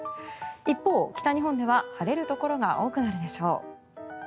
一方、北日本では晴れるところが多くなるでしょう。